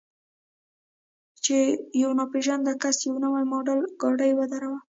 چې یو ناپېژانده کس یو نوی ماډل ګاډی ودراوه.